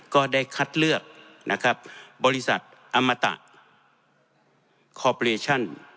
ก็ได้คัดเลือกนะครับบริษัทอมตา